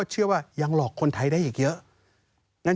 เนี่ยค่ะไม่ใช่เป็นคนโง่นะ